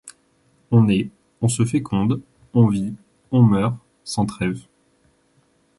On naît, on se féconde, on vit, on meurt, sans trêve ;